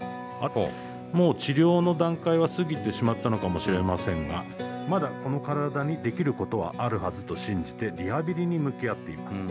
もう、治療の段階は過ぎてしまったのかもしれませんがまだ、この体にできることはあるはずと信じてリハビリに向き合っています。